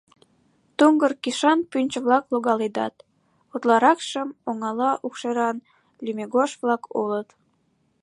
Туҥгыр кишан пӱнчӧ-влак логаледат, утларакшым оҥала укшеран лӱмегож-влак улыт.